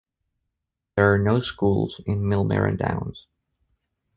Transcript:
There are no schools in Millmerran Downs.